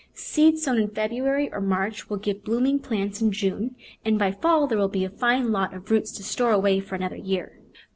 Seed sown in February or March will give blooming plants in June, and by fall there will be a fine lot of roots to store away for another year.